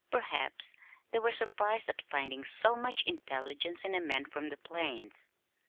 Perhaps they were surprised at finding so much intelligence in a man from the plains.